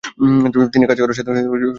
তিনি কাজ করার সাথে সাথে নকশা তৈরি করেন।